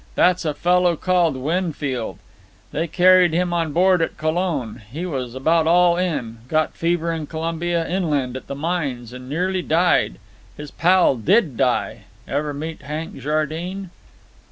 That's a fellow called Winfield. They carried him on board at Colon. He was about all in. Got fever in Colombia, inland at the mines, and nearly died. His pal did die. Ever met Hank Jardine?"